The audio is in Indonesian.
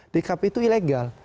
dkp itu ilegal